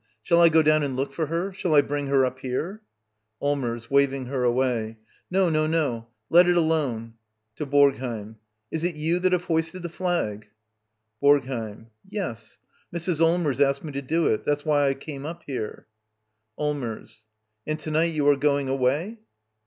] Shall I go down and look for her? Shall I bring her up here? Allmers. [Waving her away.] No, no, no — let it alone. [To Borgheim.] Is it you that have hoisted the flag? Borgheim. Yes. Mrs. Allmers asked me to do It. That was why I came up here. Allmers. And to night you are going away?